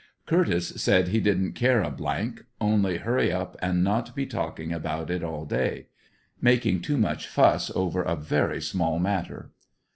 Curtiss said he didn't care a , only hurry up and not be talking about it all day; making too much fuss over a very small matter.